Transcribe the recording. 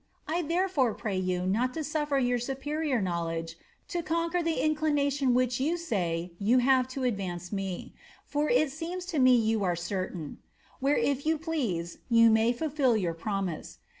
I therefore prey you not to sulSer your superior knowledge to conquer the inclination which (you say) jrou have to advance me; for it seems to me you are certain where if you please yon may fulfil your promise.